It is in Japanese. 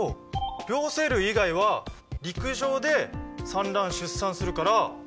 両生類以外は陸上で産卵・出産するから。